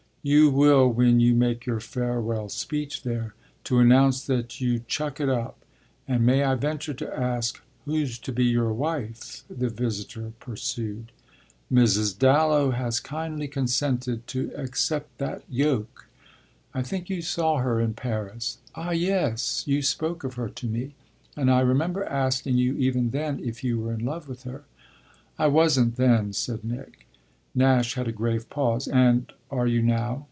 "You will when you make your farewell speech there to announce that you chuck it up. And may I venture to ask who's to be your wife?" the visitor pursued. "Mrs. Dallow has kindly consented to accept that yoke. I think you saw her in Paris." "Ah yes: you spoke of her to me, and I remember asking you even then if you were in love with her." "I wasn't then," said Nick. Nash had a grave pause. "And are you now?"